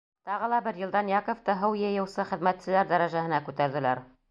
Тағы ла бер йылдан Яковты һыу йыйыусы хеҙмәтселәр дәрәжәһенә күтәрҙеләр.